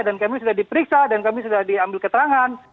dan kami sudah diperiksa dan kami sudah diambil keterangan